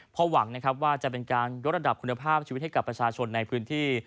เพราะหวังนะครับว่าจะเป็นการยกระดับคุณภาพชีวิตให้กับประชาชนในพื้นที่